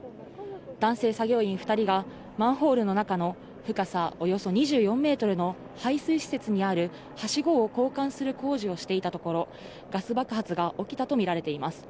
男性作業員２人がマンホールの中の深さおよそ２４メートルの排水施設にあるはしごを交換する工事をしていたところ、ガス爆発が起きたと見られています。